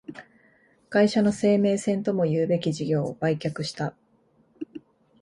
会社の生命線ともいうべき事業を売却した